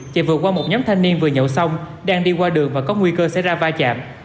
chạy vượt qua một nhóm thanh niên vừa nhậu xong đang đi qua đường và có nguy cơ sẽ ra va chạm